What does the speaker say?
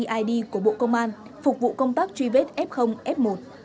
id của bộ công an phục vụ công tác truy vết f f một